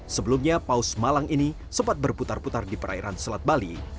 sebelumnya paus malang ini sempat berputar putar di perairan selat bali